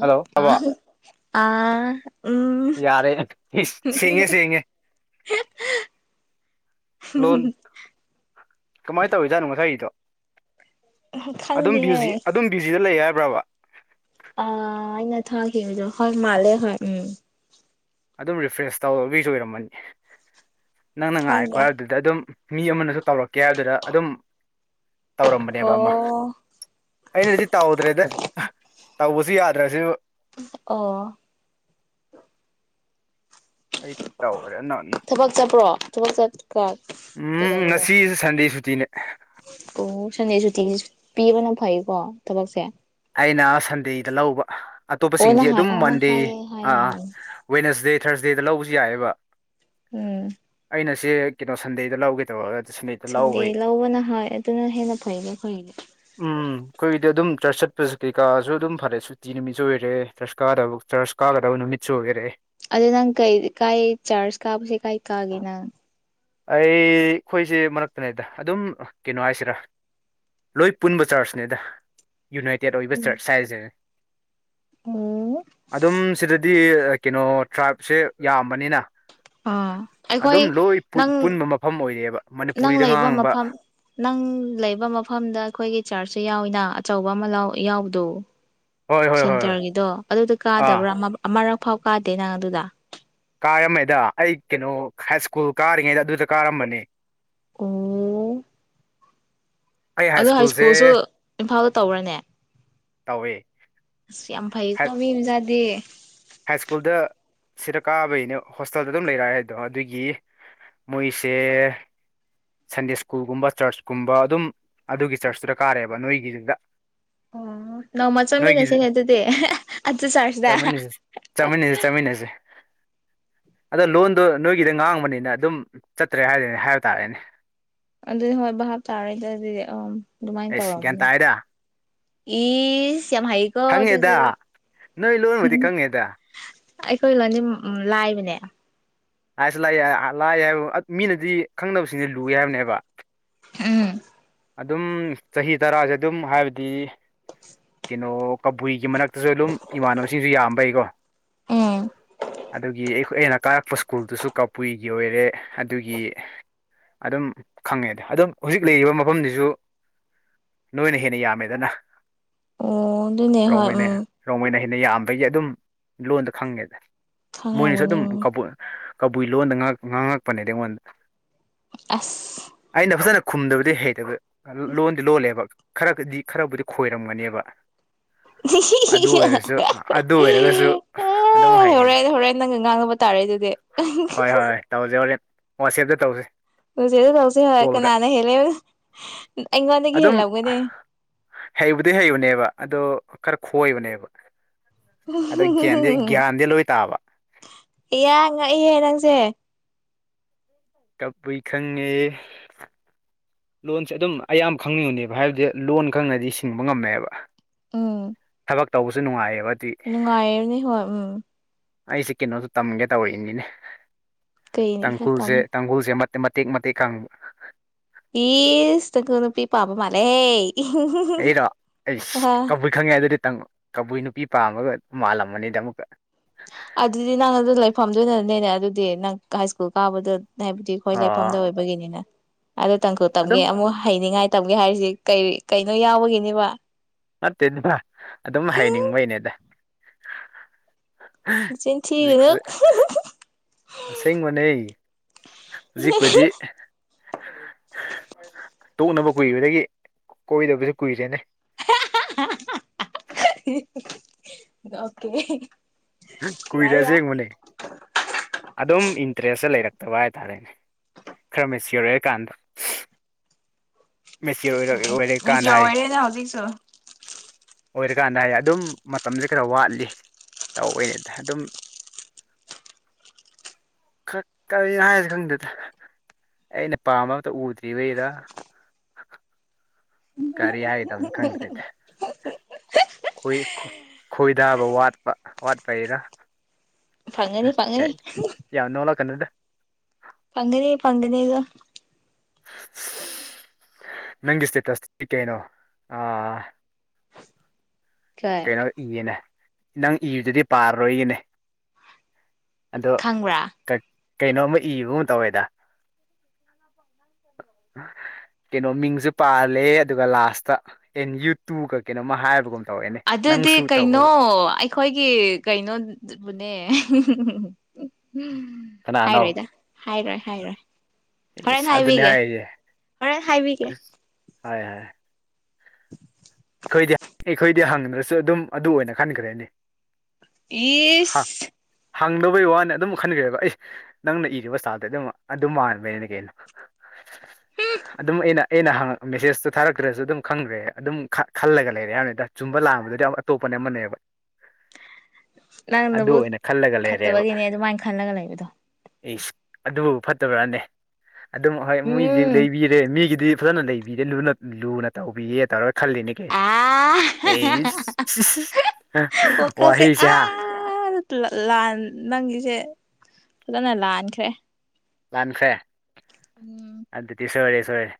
Hello ꯑꯕ ꯑ ꯎꯝ ꯌꯥꯔꯦ ꯁꯦꯡꯉꯦ ꯁꯦꯡꯉꯦ [unintelligible] ꯂꯣꯟ ꯀꯃꯥꯏꯅ ꯇꯧꯔꯤꯖꯥꯠꯅꯣ ꯉꯁꯥꯏꯒꯤꯗꯣ ꯑꯗꯨꯝꯕꯤꯌꯨꯖꯤ ꯈꯪꯗꯦꯍꯦ ꯑꯗꯨꯝ ꯕ꯭ꯌꯨꯖꯤꯗ ꯂꯩ ꯍꯥꯏꯕ꯭ꯔꯕ ꯑ ꯑꯩꯅ ꯊꯥꯈꯤꯕꯗ ꯍꯣꯏ ꯃꯥꯂꯦ ꯍꯣꯏ ꯎꯝ ꯑꯗꯨꯝ ꯔꯤꯐ꯭ꯔꯦꯁ ꯇꯧꯕꯒꯤꯁꯨ ꯑꯣꯏꯔꯝꯃꯅꯤ ꯅꯪꯅ ꯉꯥꯏꯈꯣ ꯈꯪꯗꯦ ꯍꯥꯏꯕꯗꯨꯗꯥ ꯑꯗꯨꯝ ꯃꯤ ꯑꯃꯅꯁꯨ ꯇꯧꯔꯛ ꯀꯦ ꯍꯥꯏꯕꯗꯨꯗ ꯑꯗꯨꯝ ꯇꯧꯔꯝꯕꯅꯦꯕ ꯑꯃ ꯑꯣ ꯑꯩꯅꯗꯤ ꯇꯧꯗ꯭ꯔꯦꯗ ꯇꯧꯕꯁꯨ ꯌꯥꯗ꯭ꯔ ꯁꯤꯕꯨ ꯑꯣ ꯑꯩ ꯇꯧꯈ꯭ꯔꯦ ꯅꯪ ꯊꯕꯛ ꯆꯠꯄ꯭ꯔꯣ ꯊꯕꯛ ꯆꯠ ꯎꯝ ꯉꯁꯤ ꯁꯟꯗꯦ ꯁꯨꯇꯤꯅꯦ ꯑꯣ ꯁꯟꯗꯦ ꯁꯨꯇꯤ ꯄꯤꯕꯅ ꯐꯩꯀꯣ ꯊꯕꯛꯁꯦ ꯑꯩꯅ ꯁꯟꯗꯦꯗ ꯂꯧꯕ ꯑꯣ ꯑꯇꯣꯞꯄꯁꯤꯡꯗꯤ ꯅꯍꯥꯟ ꯑꯗꯨꯝ ꯑꯣ ꯅꯪ ꯃꯟꯗꯦ ꯍꯥꯏꯌꯦ ꯍꯥꯏ ꯑꯥ ꯑꯥ ꯍꯥꯏ ꯋꯦꯅꯁꯗꯦ ꯊꯔꯁꯗꯦꯗ ꯂꯧꯕꯁꯨ ꯌꯥꯏꯕ ꯎꯝ ꯑꯩꯁꯦ ꯀꯩꯅꯣ ꯁꯟꯗꯦꯗ ꯂꯧꯒꯦ ꯇꯧꯔꯒꯥ ꯁꯟꯗ ꯂꯧꯕꯅ ꯍꯣꯏ ꯑꯗꯨꯅ ꯍꯦꯟꯅ ꯐꯩꯅꯦ ꯑꯩꯈꯣꯏꯒꯤꯗꯤ ꯎꯝ ꯑꯩꯈꯣꯏꯒꯤꯗꯤ ꯑꯗꯨꯝ ꯆꯨꯨꯠꯆ ꯔꯁꯕꯤꯀꯥꯁꯨ ꯑꯗꯨꯝ ꯐꯔꯦ ꯁꯨꯇꯤ ꯅꯨꯃꯤꯠꯁꯨꯨ ꯑꯣꯏꯔꯦ ꯆꯔꯆ ꯀꯥꯗꯕ ꯆꯔꯆ ꯀꯥꯒꯗꯕ ꯅꯨꯃꯤꯠꯁꯨ ꯑꯣꯏꯔꯦ ꯑꯗꯨꯗꯤ ꯅꯪ ꯀꯩ ꯀꯥꯏ ꯆꯥꯔꯁ ꯀꯥꯕꯁꯦ ꯀꯥꯏ ꯀꯥꯒꯦ ꯅꯪ ꯑꯩ ꯑꯩꯈꯣꯏꯁꯦ ꯃꯔꯛꯇꯅꯦꯗ ꯑꯗꯨꯝ ꯀꯩꯅꯣ ꯍꯥꯏꯁꯤꯔꯥ ꯂꯣꯏ ꯄꯨꯟꯕ ꯆꯔꯆꯅꯦꯗ ꯌꯨꯅꯥꯏꯇꯦꯠ ꯑꯣꯏꯕ ꯎꯝ ꯆꯔꯆ ꯍꯥꯏꯖꯦ ꯑꯣ ꯑꯗꯨꯝ ꯁꯤꯗꯗꯤ ꯀꯩꯅꯣ ꯇ꯭ꯔꯥꯏꯞꯁꯦ ꯌꯥꯝꯕꯅꯤꯅ ꯑꯣ ꯑꯩꯈꯣꯏ ꯑꯗꯨꯝ ꯂꯣꯏ ꯅꯪ ꯄꯨꯟꯕ ꯃꯐꯝ ꯑꯣꯏꯔꯦꯕ ꯅꯪ ꯃꯅꯤꯄꯨꯔꯤꯗ ꯂꯩꯕ ꯉꯥꯡꯕ ꯃꯐꯝ ꯅꯪ ꯂꯩꯕ ꯃꯐꯝꯗ ꯑꯩꯈꯣꯏꯒꯤ ꯆꯥꯔꯁꯁꯨ ꯌꯥꯎꯏꯅ ꯑꯆꯧꯕ ꯑꯃ ꯌꯥꯎꯕꯗꯣ ꯍꯣꯏ ꯍꯣꯏ ꯍꯣꯏ ꯍꯣꯏ ꯁꯦꯟꯇꯔꯒꯤꯗꯣ ꯑꯗꯨꯗꯣ ꯑꯥ ꯀꯥꯗꯕ꯭ꯔꯥ ꯑꯃ ꯑꯃꯔꯛ ꯐꯥꯎ ꯀꯥꯗꯦ ꯅꯪ ꯑꯗꯨꯗ ꯀꯥꯔꯝꯃꯦꯗ ꯑꯩ ꯀꯩꯅꯣ ꯍꯥꯏ ꯁ꯭ꯀꯨꯜ ꯀꯥꯔꯤꯉꯩꯗ ꯑꯗꯨꯗ ꯀꯥꯔꯝꯕꯅꯤ ꯑꯣ ꯑꯩ ꯑꯗꯨ ꯍꯥꯏ ꯁ꯭ꯀꯨꯜꯁꯦ ꯁ꯭ꯀꯨꯜꯁꯨ ꯏꯝꯐꯥꯜꯗ ꯇꯧꯕꯔꯥꯅꯦ ꯇꯧꯋꯦ ꯑꯁ ꯌꯥꯝ ꯍꯥꯏ ꯐꯩꯀꯣ ꯃꯤ ꯃꯆꯥꯗꯤ ꯍꯥꯏ ꯁ꯭ꯀꯨꯜꯗ ꯁꯤꯗ ꯀꯥꯕꯒꯤꯅꯦ ꯍꯣꯁꯇꯦꯜꯗ ꯑꯗꯨꯝ ꯂꯩꯔꯛꯑꯦ ꯍꯥꯏꯗꯣ ꯑꯗꯨꯒꯤ ꯃꯣꯏꯁꯦ ꯁꯟꯗꯦ ꯁ꯭ꯀꯨꯜꯒꯨꯝꯕ ꯆꯔꯆꯀꯨꯝꯕ ꯑꯗꯨꯝ ꯑꯗꯨꯒꯤ ꯆꯔꯆꯇꯨꯗ ꯀꯥꯔꯦꯕ ꯅꯣꯏꯒꯤꯗꯨꯗ ꯑꯣ ꯅꯣꯡꯃ ꯅꯣꯏꯒꯤ ꯆꯥꯠꯃꯤꯟꯅꯁꯤꯅꯦ ꯑꯗꯨꯗꯤ ꯑꯗꯨ ꯆꯥꯔꯁ ꯇꯨꯗꯥ ꯆꯥꯠꯃꯤꯟꯅꯁꯦ ꯆꯠꯃꯤꯟꯅꯖꯦ ꯑꯗꯣ ꯂꯣꯟꯗꯣ ꯅꯣꯏꯒꯤꯗ ꯉꯥꯡꯕꯅꯤꯅ ꯑꯗꯨꯝ ꯆꯠꯇ꯭ꯔꯦ ꯍꯥꯏꯔꯦ꯫ ꯅꯦ ꯍꯥꯏꯕ ꯇꯥꯔꯦꯅꯦ ꯑꯗꯨꯗꯤ ꯍꯣꯏ ꯚꯥꯞꯇꯥꯥꯔꯦ꯫ꯗ ꯑꯗꯨꯗꯤ ꯑꯗꯨꯃꯥꯏꯅ ꯑꯁ ꯒꯌ꯭ꯥꯟ ꯇꯧꯔꯝꯒꯅꯤ ꯇꯥꯏꯗ ꯏꯁ ꯌꯥꯝ ꯍꯩꯀꯣ ꯑꯗꯨꯗꯤ ꯈꯪꯉꯦꯗ ꯅꯣꯏ ꯂꯣꯟꯕꯨꯗꯤ ꯈꯪꯉꯦꯗ ꯑꯩꯈꯣꯏ ꯂꯣꯟꯗꯤ ꯂꯥꯏꯕꯅꯦ ꯂꯥꯏꯁꯨ ꯂꯥꯏꯌꯦ ꯂꯥꯏꯌꯦ ꯍꯥꯏꯕ ꯃꯤꯅꯗꯤ ꯈꯪꯗꯕꯁꯤꯡꯗꯤ ꯂꯨꯏ ꯍꯥꯏꯕꯅꯦ ꯍꯥꯏꯕꯥ ꯎꯝ ꯑꯗꯨꯝ ꯆꯍꯤ ꯇꯔꯥꯁꯦ ꯑꯗꯨꯝ ꯍꯥꯏꯕꯗꯤ ꯆ ꯀꯩꯅꯣ ꯀꯕꯨꯏꯒꯤ ꯃꯔꯛꯇꯁꯨ ꯑꯗꯨꯝ ꯏꯃꯥꯟꯅꯕꯁꯤꯡꯁꯨ ꯌꯥꯝꯕꯩꯀꯣ ꯎꯝ ꯑꯗꯨꯒꯤ ꯑꯩ ꯑꯩꯅ ꯀꯥꯔꯛꯄ ꯁ꯭ꯀꯨꯜꯗꯨꯁꯨ ꯀꯕꯨꯏꯒꯤ ꯑꯣꯏꯔꯦ ꯑꯗꯨꯒꯤ ꯑꯗꯨꯝ ꯈꯪꯉꯦꯗ ꯑꯗꯨꯝ ꯍꯧꯖꯤꯛ ꯂꯩꯔꯤꯕ ꯃꯐꯝꯗꯨꯁꯨ ꯅꯣꯏꯅ ꯍꯦꯟꯅ ꯌꯥꯝꯃꯦꯗꯅ ꯑꯣ ꯑꯗꯨꯅꯦ ꯍꯣꯏ ꯔꯣꯡꯃꯩꯅꯦ ꯎꯝ ꯔꯣꯡꯃꯩꯅꯦꯍꯦ ꯅ ꯌꯥꯝꯕꯒꯤ ꯑꯗꯨꯝ ꯂꯣꯟꯗ ꯈꯪꯉꯦꯗ ꯃꯣꯏꯅꯁꯨ ꯈꯪꯔꯝꯒꯅꯤ ꯑꯗꯨꯝ ꯎꯝ ꯀꯥꯕꯨꯏ ꯀꯕꯨꯏ ꯂꯣꯟꯗ ꯉꯥꯛ ꯉꯥꯡꯉꯛꯄꯅꯦꯗꯤ ꯑꯩꯉꯣꯟꯗ ꯑꯁ ꯑꯩꯅ ꯐꯖꯅ ꯈꯨꯝꯗꯕꯗꯤ ꯍꯩꯇꯕ ꯂꯣꯟꯗꯤ ꯂꯣꯜꯂꯦꯕ ꯈꯔꯒꯗꯤ ꯈꯔꯕꯨꯗꯤ ꯈꯣꯏꯔꯝꯒꯅꯦꯕ ꯑꯗꯨ ꯑꯣꯏꯔꯁꯨ ꯑꯗꯨ ꯑꯣꯏꯔꯒꯁꯨ ꯑꯗꯨꯝ ꯍꯩꯌꯦ ꯍꯣꯔꯦꯟ ꯍꯣꯔꯦꯟ ꯅꯪꯒ ꯉꯥꯡꯅꯕ ꯇꯥꯔꯦ ꯑꯗꯨꯗꯤ ꯍꯣꯏ ꯍꯣꯏ ꯇꯧꯁꯦ ꯍꯣꯔꯦꯟ ꯋꯥꯆꯦꯞꯇ ꯇꯧꯁꯦ ꯋꯥꯆꯦꯞꯇ ꯇꯧꯁꯦ ꯌꯥꯏꯌꯦ ꯀꯣꯜꯗ ꯀꯅꯥꯅꯦ ꯍꯦꯜꯂꯤ ꯑꯗꯨꯝ ꯍꯩꯕꯗꯤ ꯍꯩꯕꯅꯦꯕ ꯑꯗꯣ ꯈꯔ ꯈꯣꯏꯕꯅꯦꯕ ꯑꯗ ꯒ꯭ꯌꯥꯟꯗꯤ [unintelligible] ꯒ꯭ꯌꯥꯟꯗꯤ ꯂꯣꯏ ꯇꯥꯕ ꯏꯌꯥ ꯉꯛꯏꯍꯦ ꯅꯪꯁꯦ ꯀꯕꯨꯏ ꯈꯪꯉꯦ ꯂꯣꯟꯁꯦ ꯑꯗꯨꯝ ꯑꯌꯥꯝꯕ ꯈꯪꯉꯝꯅꯦꯕ ꯍꯥꯏꯕꯗꯤ ꯂꯣꯟ ꯈꯪꯉꯗꯤ ꯁꯤꯡꯕ ꯉꯝꯃꯦꯕ ꯎꯝ ꯊꯕꯛ ꯇꯧꯕꯁꯨ ꯅꯨꯡꯉꯥꯏꯌꯦꯕ ꯑꯗꯨꯗꯤ ꯅꯨꯡꯉꯥꯏꯕꯅꯦ ꯍꯣꯏ ꯎꯝ ꯑꯩꯁꯦ ꯀꯩꯅꯣꯁꯨ ꯇꯝꯒꯦ ꯇꯧꯔꯤꯅꯤꯅꯦ ꯀꯩ ꯈꯔ ꯇꯥꯡꯈꯨꯜꯁꯦ ꯇꯝꯃꯨ ꯇꯥꯡꯈꯨꯜꯁꯦ ꯃꯠ ꯃꯇꯦꯛ ꯃꯇꯦꯛ ꯀꯪꯕ ꯏꯁ ꯇꯥꯡꯈꯨꯜ ꯅꯨꯄꯤ ꯄꯥꯝꯕ ꯃꯥꯜꯂꯦ ꯑꯩꯔꯣ ꯏꯁ ꯀꯕꯨꯏ ꯈꯪꯉꯦ ꯑꯗꯨꯗꯤ ꯅꯪ ꯀꯕꯨꯏ ꯅꯨꯄꯤ ꯄꯥꯝꯕꯒ ꯃꯥꯜꯂꯝꯒꯅꯤꯗ ꯑꯃꯨꯛꯀ ꯑꯗꯨꯗꯤ ꯅꯪ ꯑꯗꯨꯏ ꯂꯩꯐꯝꯗꯨꯅꯅꯤꯅꯦ ꯑꯗꯨꯗꯤ ꯅꯪ ꯍꯥꯏꯁ꯭ꯀꯨꯜ ꯀꯥꯕꯗ ꯍꯥꯏꯕꯗꯤ ꯑꯩꯈꯣꯏ ꯑꯣ ꯂꯩꯐꯝꯗꯨꯗ ꯑꯣꯏꯕꯒꯤꯅꯤꯅ ꯑꯗꯨ ꯇꯥꯡꯈꯨꯜ ꯇꯝꯒꯦ ꯑꯗꯨꯝ ꯑꯃꯨꯛ ꯍꯩꯅꯤꯡꯉꯥꯏ ꯇꯝꯒꯦ ꯍꯥꯏꯔꯤꯁꯤ ꯀꯩ ꯀꯩꯅꯣ ꯌꯥꯎꯕꯒꯤꯅꯦꯕꯥ ꯅꯠꯇꯦꯕ ꯑꯗꯨꯝ ꯍꯩꯅꯤꯡꯕꯩꯅꯦꯗ ꯃꯆꯤꯟ ꯊꯤꯒꯅꯨ ꯑꯁꯦꯡꯕꯥꯅꯦ ꯍꯧꯖꯤꯛꯄꯨꯗꯤ [inaudible] ꯇꯣꯛꯅꯕ ꯀꯨꯏꯕꯥꯗꯒꯤ ꯀꯣꯏꯗꯕꯁꯨ ꯀꯨꯏꯔꯦꯅꯦ ꯍꯥ ꯍꯥ ꯅꯣꯛꯅꯤꯡꯉꯤ ꯀꯨꯏꯔꯦ ꯑꯁꯦꯡꯕꯅꯤ ꯑꯗꯨꯝ ꯏꯟꯇ꯭ꯔꯦꯁ ꯂꯩꯔꯛ ꯔꯛꯇꯕ ꯍꯥꯏꯇꯥꯔꯦꯅꯦ ꯈ꯭ꯔꯥ ꯃꯦꯆꯌꯨꯔ ꯑꯣꯔꯥ ꯀꯥꯟꯗ ꯃꯦꯆꯌꯨꯔ ꯑꯣꯏꯔꯥ ꯀꯥꯟꯗ ꯃꯦꯆꯤꯌꯣꯔ ꯍꯥꯏ ꯑꯣꯏꯔꯦꯅ ꯍꯧꯖꯤꯛꯁꯨ ꯑꯣꯏꯔꯀꯥꯟꯗ ꯍꯥꯏꯌꯦ ꯑꯗꯨꯝ ꯃꯇꯝꯁꯦ ꯈꯔꯥ ꯋꯥꯠꯂꯤ ꯇꯧꯋꯦꯗ ꯑꯗꯨꯝ ꯈꯔ ꯀꯔꯤ ꯍꯥꯏꯁꯤꯔ ꯈꯪꯗꯦꯗ ꯑꯩꯅ ꯄꯥꯝꯕ ꯑꯝꯇꯥ ꯎꯗ꯭ꯔꯤꯕꯩꯔ ꯀꯔꯤ ꯍꯥꯏꯗꯧꯅꯣ ꯈꯪꯗ꯭ꯔꯦꯗ ꯈꯣꯏꯗꯥꯕ ꯋꯥꯠꯄ ꯋꯥꯠꯄꯩꯔ ꯐꯪꯒꯅꯤ ꯐꯪꯒꯅꯤ ꯌꯥꯏ ꯌꯥꯝ ꯅꯣꯛꯂꯛ ꯀꯥꯅꯨꯗ ꯄꯪꯒꯅꯤ ꯄꯪꯒꯅꯤꯀꯣ [inaudible] ꯅꯪꯒꯤ ꯁꯇꯦꯇꯁꯇꯤ ꯀꯩꯅꯣ ꯑꯥ ꯀꯩ ꯀꯩꯅꯣ ꯏꯌꯦꯅꯦ ꯅꯪ ꯏꯔꯤꯗꯨꯗꯤ ꯄꯥꯔꯣꯏꯅꯦ ꯑꯗꯣ ꯈꯪꯕ꯭ꯔꯥ ꯀꯩꯅꯣꯝꯃ ꯏꯕꯒꯨꯝ ꯇꯧꯋꯦꯗꯥ [inaudible] ꯀꯩꯅꯣ ꯃꯤꯡꯁꯨ ꯄꯜꯂꯦ ꯑꯗꯨꯒ ꯂꯥꯁꯇ ꯑꯦꯟ ꯌꯨ ꯇꯨ ꯀꯩꯅꯣꯝꯃ ꯍꯥꯏꯕꯒꯨꯝ ꯇꯧꯋꯦꯅꯦ ꯑꯗꯨꯗꯤ ꯅꯪꯁꯨ ꯀꯩꯅꯣ ꯇꯧꯕꯒ ꯑꯩꯈꯣꯏꯒꯤ ꯀꯩꯅꯣꯕꯨꯅꯦ ꯀꯅꯥꯅꯣ ꯍꯥꯏꯔꯣꯏꯗ ꯍꯥꯏꯔꯣꯏ ꯍꯥꯏꯔꯣꯏ ꯏꯁ ꯍꯣꯔꯦꯟ ꯑꯗꯨꯅꯦ ꯍꯥꯏꯕꯤꯒꯦ ꯍꯥꯏꯔꯤꯁꯦ ꯍꯣꯔꯦꯟ ꯍꯥꯏꯕꯤꯒꯦ ꯍꯣꯏ ꯍꯣꯏ ꯑꯩꯈꯣꯏꯗꯤ ꯑꯩꯈꯣꯏꯗꯤ ꯍꯪꯗ꯭ꯔꯁꯨ ꯑꯗꯨꯝ ꯑꯗꯨ ꯑꯣꯏꯅ ꯈꯟꯈ꯭ꯔꯦꯅꯦ ꯏꯁ ꯍꯪꯗꯕꯩ ꯋꯥꯅꯦ ꯑꯗꯨꯝ ꯈꯟꯈ꯭ꯔꯦꯕ ꯑꯦ ꯅꯪꯅ ꯏꯔꯤꯕ ꯏꯁꯇꯜꯗꯨ꯫ ꯑꯗꯨꯝ ꯑꯗꯨ ꯃꯥꯟꯕꯩꯅꯤ ꯀꯩꯅꯣ ꯑꯗꯨꯝ ꯑꯩꯅ ꯑꯩꯅ ꯃꯦꯁꯦꯁꯇꯨ ꯊꯥꯔꯛꯇ꯭ꯔꯁꯨ ꯑꯗꯨꯝ ꯈꯪꯗ꯭ꯔꯦ ꯑꯗꯨꯝ ꯈꯜꯂꯒꯥ ꯂꯩꯔꯦ ꯍꯥꯏꯕꯅꯤꯗ ꯆꯨꯝꯕ ꯂꯥꯟꯕꯗꯨꯗꯤ ꯑꯇꯣꯞꯄ ꯑꯃꯥꯅꯦꯕ ꯅꯪ ꯅꯕꯨꯛ ꯑꯣꯏꯅ ꯈꯜꯂꯒ ꯐꯠꯇꯕꯒꯤꯅꯦ ꯑꯗꯨꯃꯥꯏꯅ ꯈꯜꯂꯒ ꯂꯩꯔꯤꯗꯣ ꯏꯁ ꯑꯗꯨꯕꯨ ꯐꯠꯇꯕ꯭ꯔꯥꯅꯦ ꯑꯗꯨꯝ ꯍꯣꯏ ꯃꯤꯁꯤ ꯎꯝ ꯂꯩꯕꯤꯔꯦ ꯃꯤꯒꯤꯗꯤ ꯐꯥꯖꯅ ꯂꯩꯕꯤꯗꯦ ꯂꯨꯅ ꯇꯧꯕꯤꯌꯦ ꯇꯧꯔꯒ ꯈꯜꯂꯤ ꯑꯥ ꯏꯁ ꯋꯥꯈꯜꯁꯦ ꯋꯥꯍꯩꯁꯦ ꯍꯥ ꯑꯥ ꯂꯥꯟ ꯅꯪꯒꯤꯁꯦ ꯐꯥꯖꯅ ꯂꯥꯟꯈ꯭ꯔꯦ ꯂꯥꯟꯈ꯭ꯔꯦ ꯎꯝ ꯑꯗꯨꯗꯤ ꯁꯣꯏꯔꯦ ꯁꯣꯏꯔꯦ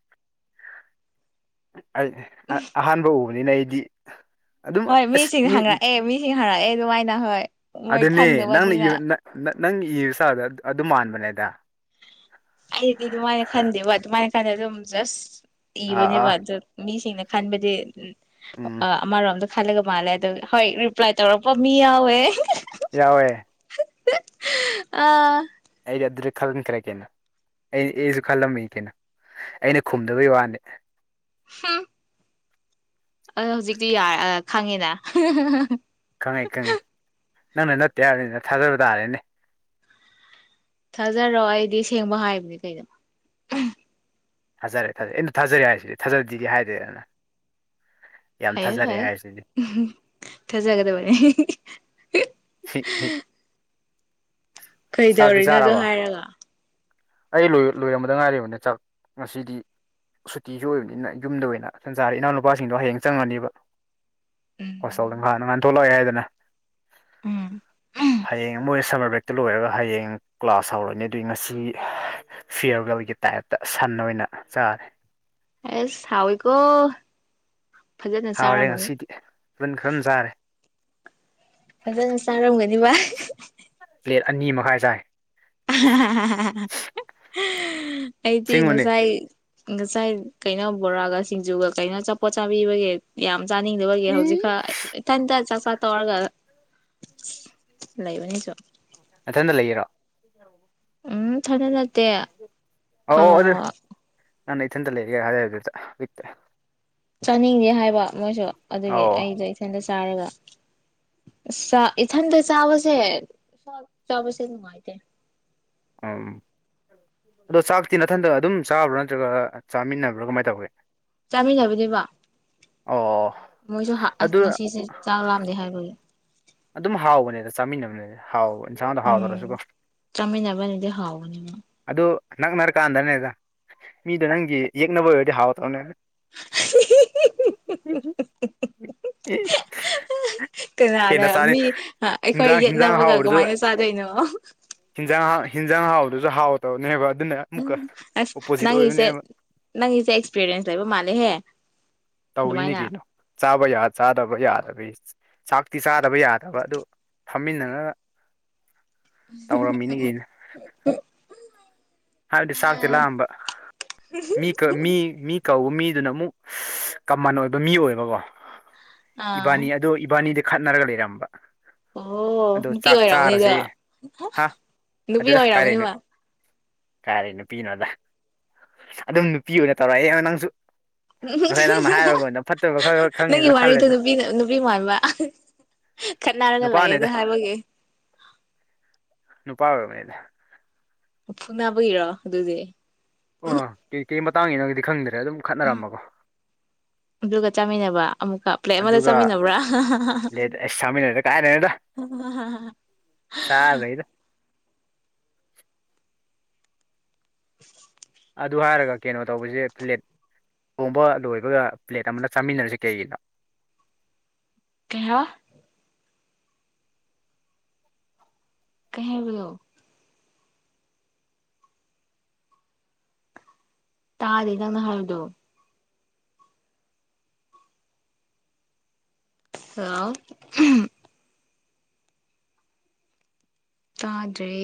ꯑꯍꯥꯟꯕ ꯎꯕꯅꯤꯅ ꯑꯩꯗꯤ ꯑꯗꯨꯝ ꯍꯣꯏ ꯑꯁ ꯃꯤꯁꯤꯡꯅ ꯃꯤ ꯍꯡꯉꯛꯑꯦ ꯃꯤꯁꯤꯡ ꯍꯥꯡꯉꯛꯑꯦ ꯑꯗꯨꯃꯥꯏ ꯑꯗꯨꯅꯦ ꯅꯪ ꯅꯪ ꯏꯕ ꯏꯁꯇꯜꯗꯨ ꯑꯗꯨ ꯃꯥꯟꯕꯅꯦꯗ ꯑꯩꯗꯤ ꯑꯗꯨꯃꯥꯏꯅ ꯈꯟꯗꯦꯕ ꯑꯗꯨꯃꯥꯏꯅ ꯈꯟꯗꯦ ꯑꯗꯨꯝ ꯖꯁ ꯑꯥ ꯏꯕꯥꯅꯦꯕ ꯑꯥ ꯑꯗꯨ ꯃꯤꯁꯤꯡꯅ ꯈꯥꯟꯕꯗꯤ ꯎꯝ ꯑꯥ ꯑꯃꯥꯔꯣꯝꯗ ꯈꯜꯂꯒꯥ ꯃꯥꯜꯂꯦ ꯑꯗꯨꯝ ꯍꯣꯏ ꯔꯤꯄ꯭ꯂꯥꯏ ꯇꯧꯔꯛꯄꯥ ꯃꯤ ꯌꯥꯎꯋꯦ ꯌꯥꯎꯋꯦ ꯑꯥ ꯑꯩꯗꯤ ꯑꯗꯨꯗꯤ ꯈꯟꯈ꯭ꯔꯦ ꯀꯦꯩꯅꯣ ꯑꯩ ꯑꯩꯁꯨ ꯈꯜꯂꯝꯃꯤ ꯀꯩꯅꯣ ꯑꯩꯅ ꯈꯨꯝꯗꯕꯩ ꯋꯥꯅꯤ ꯍꯥꯝ ꯑ ꯍꯧꯖꯤꯛꯇꯤ ꯌꯥ ꯈꯪꯉꯦꯅ ꯈꯪꯉꯦ ꯈꯪꯉꯦ ꯅꯪꯅ ꯅꯠꯇꯦ ꯍꯥꯏꯅꯤꯅ ꯊꯥꯖꯕ ꯇꯥꯔꯦꯅꯦ ꯊꯥꯖꯔꯑꯣ ꯑꯩꯗꯤ ꯁꯦꯡꯕ ꯍꯥꯏꯕꯅꯦ ꯀꯩꯗꯅꯣ ꯊꯥꯖꯔꯦ ꯊꯥꯖꯔꯦ ꯑ ꯊꯥꯖꯔꯦ ꯍꯥꯏꯁꯤꯗꯤ ꯊꯥꯖꯗꯤꯗꯤ ꯍꯥꯏꯗꯦꯗꯅ ꯌꯥꯝ ꯐꯥꯏꯦ ꯊꯥꯖꯔꯦ ꯍ ꯍꯥꯏꯔꯤꯁꯤꯗꯤ ꯊꯖꯒꯗꯕꯅꯤ ꯆꯥꯛꯇꯤ ꯀꯩꯗꯧꯔꯤꯅꯣꯗꯣ ꯆꯥꯔꯕ ꯍꯥꯏꯔꯒ ꯑꯩ ꯂꯣꯏꯔꯝꯕꯗ ꯉꯥꯏꯔꯤꯕꯅꯦ ꯆꯥꯛ ꯉꯁꯤꯗꯤ ꯁꯨꯇꯤꯁꯨ ꯑꯣꯏꯕꯅꯤꯅ ꯌꯨꯝꯗ ꯑꯣꯏꯅ ꯁꯟꯖꯥꯔ ꯏꯅꯥꯎꯅꯨꯄꯥꯁꯤꯡꯗꯣ ꯍꯌꯦꯡ ꯆꯪꯉꯅꯤꯕ ꯍꯣꯁꯇꯦꯜꯗ ꯎꯝ ꯉ ꯅ ꯉꯥꯏꯥꯟ ꯊꯣꯛꯂꯛꯑꯦ ꯍꯥꯏꯗꯅ ꯎꯝ ꯍꯌꯦꯡ ꯃꯣꯏ ꯁꯂ ꯕꯦꯛꯇ ꯂꯣꯏꯔꯒ ꯍꯌꯦꯡ ꯀ꯭ꯂꯥꯁ ꯍꯧꯔꯅꯤ ꯑꯗꯨꯏ ꯉꯁꯤ ꯐꯤꯌꯔꯒꯜꯒꯤ ꯇꯥꯏꯞꯇ ꯁꯟ ꯑꯣꯏꯅ ꯆꯥꯔꯦ ꯑꯦꯁ ꯍꯥꯎꯏꯀꯣ ꯍꯥꯎꯔꯦ ꯉꯁꯤꯗꯤ ꯑꯗꯨꯟ ꯈꯔ ꯆꯥꯔꯦ ꯐꯖꯅ ꯆꯥꯔꯝꯒꯅꯤ ꯚꯏ ꯄ꯭ꯂꯦꯠ ꯑꯅꯤ ꯃꯈꯥꯏ ꯁꯥꯏ ꯑꯩꯗꯤ ꯑꯁꯦꯡꯕꯅꯦ ꯉꯁꯥꯏ ꯉꯁꯥꯏ ꯀꯩꯅꯣ ꯕꯣꯔꯥꯒ ꯁꯤꯡꯖꯨꯒ ꯀꯩꯅꯣ ꯆꯆꯥꯄꯣꯠ ꯆꯥꯕꯤꯕꯒꯤ ꯌꯥꯝ ꯆꯥꯅꯤꯡꯗꯕꯒꯤ ꯏ ꯍꯧꯖꯤꯛ ꯈ ꯏꯊꯟꯇ ꯆꯥꯛ ꯆ ꯇꯧꯔꯒ ꯂꯩꯕꯅꯤ ꯆ ꯃꯊꯟꯇ ꯂꯩꯌꯦꯔꯣ ꯎꯝ ꯊꯔꯅꯇ ꯑ ꯅꯥꯟ ꯏ ꯆꯟꯇ ꯂꯩꯦꯒ ꯍꯥꯏꯦ ꯑꯣꯏꯔꯠꯇ ꯇꯦ ꯆꯥꯅꯤꯡꯗꯦ ꯍꯥꯏꯕ ꯃꯣꯏꯁꯨ ꯑꯗꯨꯒꯤ ꯑꯧ ꯑꯩꯗꯣ ꯏꯊꯟꯗ ꯆꯥꯔꯒ ꯏꯊꯟꯇ ꯆꯥꯕꯁꯦ ꯆꯥꯕꯁꯦ ꯅꯨꯡꯉꯥꯏꯇꯦ ꯑ ꯑꯗꯣ ꯆꯥꯛꯇꯤ ꯅꯊꯟꯗ ꯑꯗꯨꯝ ꯆꯥꯕ꯭ꯔꯥ ꯅꯠꯇ꯭ꯔꯒ ꯆꯥꯃꯤꯟꯅꯕ꯭ꯔꯥ ꯀꯃꯥꯏꯅ ꯇꯧꯒꯦ ꯆꯥꯃꯤꯟꯅꯕꯤꯅꯦꯕ ꯑꯣ ꯃꯣꯏꯁꯨ ꯑꯗꯨ ꯉꯁꯤꯁꯦ ꯆꯥꯡ ꯂꯥꯝꯗꯦ ꯍꯥꯏꯕꯒꯤ ꯑꯗꯨꯝ ꯍꯥꯎꯕꯅꯦꯗ ꯆꯥꯃꯤꯟꯅꯕꯅꯦ ꯍꯥꯎꯕ ꯏꯟꯁꯥꯡꯗ ꯎꯝ ꯍꯥꯎꯗꯔꯁꯨꯀꯣ ꯆꯥꯃꯤꯟꯅꯕꯅꯗꯤ ꯍꯥꯎꯕꯅꯤꯅ ꯑꯗꯨ ꯅꯛꯅꯔꯀꯥꯟꯗꯅꯦꯗ ꯃꯤꯗꯣ ꯅꯪꯒꯤ ꯌꯦꯛꯅꯕ ꯑꯣꯏꯔꯗꯤ ꯍꯥꯎꯇ꯭ꯔꯣꯅꯦ [inaudible] ꯃꯤ ꯑꯩꯈꯣꯏ ꯌꯦꯠꯅꯕꯒ ꯍꯥꯎꯕꯗꯁꯨ ꯀꯃꯥꯏꯅ ꯆꯥꯗꯣꯏꯅꯣ ꯍꯤꯟꯖꯥꯡ ꯍꯤꯟꯖꯥꯡ ꯍꯥꯎꯕꯗꯨꯁꯨ ꯍꯥꯎꯗꯕꯅꯦꯕ ꯎꯝ ꯑꯁ ꯅꯪꯁꯦ ꯅꯪ ꯏꯁꯦ ꯑꯦꯛꯁꯄꯤꯦꯔꯤꯌꯦꯟꯁ ꯂꯩꯕ ꯃꯥꯂꯦ ꯍꯦ ꯇꯧꯋꯤꯅꯤ ꯀꯩꯅꯣ ꯆꯥꯕ ꯆꯥꯗꯕ ꯌꯥꯗꯕꯒꯤ ꯁꯥꯛꯇꯤ ꯆꯥꯗꯕ ꯌꯥꯗꯕ ꯑꯗꯨ ꯐꯝꯃꯤꯟꯅꯔ [inaudible] ꯍꯥꯏꯕꯗꯤ ꯆꯥꯛꯇꯤ ꯂꯥꯛꯑꯝꯕ ꯃꯤ ꯃꯤ ꯀꯧꯕ ꯃꯤꯗꯨꯅ ꯑꯃꯨꯛ ꯀꯃꯟ ꯑꯣꯏꯕ ꯃꯤ ꯑꯣꯏꯕꯀꯣ ꯏꯕꯥꯅꯤ ꯑꯥ ꯑꯗꯣ ꯏꯕꯥꯅꯤꯗ ꯈꯠꯅꯔꯒ ꯏꯔꯝꯕ ꯑꯣ ꯅꯨꯄꯤ ꯑꯣꯏꯔꯝꯅꯤꯗ ꯍꯥ ꯅꯨꯄꯤ ꯍꯔꯎꯅꯤꯃ ꯀꯥꯏꯔꯤꯦ ꯅꯨꯄꯤꯅꯣꯗ ꯑꯗꯨꯝ ꯅꯨꯄꯤ ꯑꯣꯏꯅ ꯇꯧꯔꯛꯑꯦ ꯅꯪꯁꯨ ꯉꯁꯥꯏ ꯅꯪꯅ ꯍꯥꯏꯔꯒꯣꯟꯗ ꯐꯠꯇꯕ ꯈꯔ ꯈꯔ ꯅꯪꯒꯤ ꯈꯪꯉꯦꯗ ꯋꯥꯔꯤꯗꯣ ꯈꯜꯂꯦꯗ ꯅꯨꯄꯤ ꯅꯨꯄꯤ ꯃꯥꯟꯕ ꯈꯠꯅꯔꯒ ꯂꯥꯛꯑꯦꯗ ꯅꯨꯄꯥꯅꯦꯗ ꯍꯥꯏꯕꯒꯤꯦ ꯅꯨꯄꯥ ꯑꯣꯏꯕꯅꯦꯗ ꯎꯐꯨ ꯅꯥꯕꯒꯤꯔꯣ ꯑꯗꯨꯗꯤ ꯑꯣ ꯀꯩ ꯀꯩ ꯃꯇꯥꯡꯒꯤꯅꯣꯗꯤ ꯈꯪꯗ꯭ꯔꯦ ꯑꯗꯨꯝ ꯈꯠꯅꯔꯝꯃꯀꯣ ꯕ꯭ꯂꯨꯒ ꯆꯥꯃꯤꯟꯅꯕ ꯑꯃꯨꯛꯀ ꯄ꯭ꯂꯦꯛ ꯑꯃꯗ ꯑꯗꯨꯒ ꯆꯥꯃꯤꯟꯅꯕ꯭ꯔꯥ ꯂꯦꯠ ꯑꯁ ꯆꯥꯃꯤꯟꯅꯔꯦꯗ ꯑꯣ ꯍ ꯆꯔ ꯂꯩꯗ [unintelligible] ꯑꯗꯨ ꯍꯥꯏꯔꯒ ꯀꯩꯅꯣ ꯇꯧꯕꯁꯦ ꯐ꯭ꯂꯦꯠ ꯇꯣꯝꯕ ꯂꯣꯏꯕꯒ ꯄ꯭ꯂꯦꯠ ꯑꯃꯗ ꯆꯥꯃꯤꯟꯅꯔꯁꯤ ꯀꯩꯒꯤꯅꯣ ꯀꯌꯥ ꯀꯩꯕꯗꯣ ꯇꯥꯔꯦ ꯅꯪ ꯍꯥꯎꯗꯨ ꯑ ꯇꯥꯗ꯭ꯔꯦ